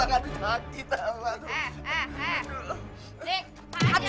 eh eh eh nih pake dulu